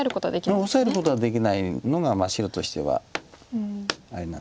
オサえることはできないのが白としてはあれなんです。